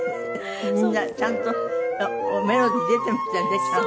みんなちゃんとメロディー出てますよねちゃんと。